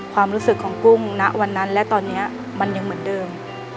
ความรู้สึกของกุ้งณวันนั้นและตอนนี้มันยังเหมือนเดิม